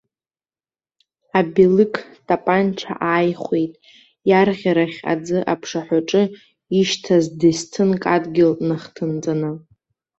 Абелық тапанча ааихәеит, иарӷьарахь, аӡы аԥшаҳәаҿы ишьҭаз десҭынк адгьыл нахҭынҵаны.